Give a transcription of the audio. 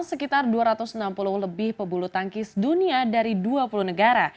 sekitar dua ratus enam puluh lebih pebulu tangkis dunia dari dua puluh negara